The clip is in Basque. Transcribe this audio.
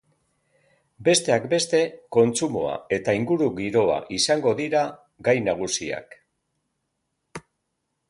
Besteak beste, kontsumoa eta inguru-giroa izango dira gai nagusiak.